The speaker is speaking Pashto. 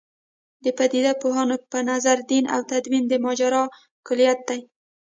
د پدیده پوهانو په نظر دین او تدین د ماجرا کُلیت دی.